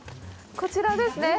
こちらですね。